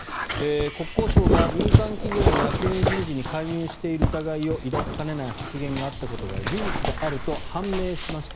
国交省が民間企業の役員人事に介入している疑いを抱きかねない発言があったことが事実であると判明しました